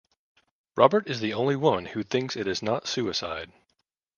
Robert is the only one who thinks it is not suicide.